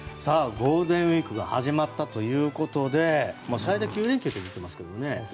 ゴールデンウィークが始まったということで最大９連休といってますけどね。